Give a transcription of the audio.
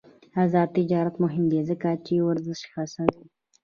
آزاد تجارت مهم دی ځکه چې ورزش هڅوي.